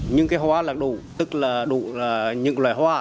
những cái hoa là đủ tức là đủ những loài hoa